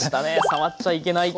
触っちゃいけない。